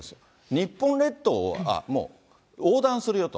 日本列島はもう横断するよと。